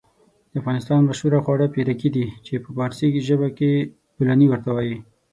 د افغانستان مشهور خواړه پيرکي دي چې په فارسي ژبه کې بولانى ورته وايي.